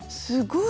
すごい。